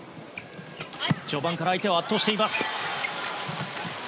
序盤から相手を圧倒しています。